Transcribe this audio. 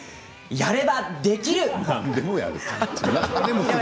やれば、できる！